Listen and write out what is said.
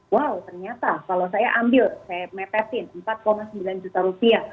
wow ternyata kalau saya ambil saya mepetin empat sembilan juta rupiah